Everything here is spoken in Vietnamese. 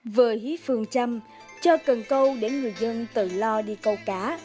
với hí phương chăm cho cần câu để người dân tự lo đi câu cá